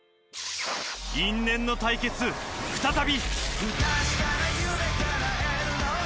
因縁の対決、再び。